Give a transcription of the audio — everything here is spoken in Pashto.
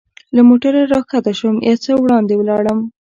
له موټره را کښته شوم، یو څه وړاندې ولاړم.